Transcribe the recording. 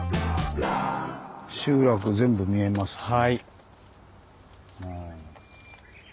集落全部見えますね。